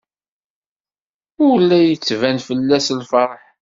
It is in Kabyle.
Ur la d-yettban fell-as lfeṛḥ.